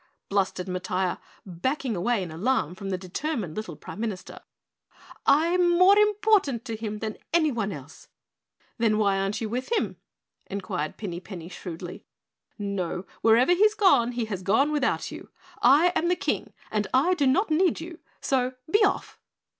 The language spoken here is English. blustered Matiah, backing away in alarm from the determined little Prime Minister. "I'm more important to him than anyone else." "Then why aren't you with him?" inquired Pinny Penny shrewdly. "No, wherever he's gone he has gone without you. I am the King and I do not need you, so be off!"